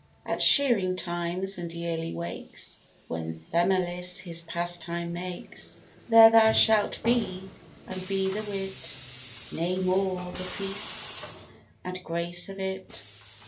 At shearing times, and yearly wakes, When Themilis his pastime makes, There thou shalt be; and be the wit, Nay more, the feast, and grace of it.